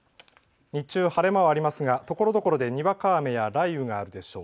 晴れ間はありますがところどころでにわか雨や雷雨があるでしょう。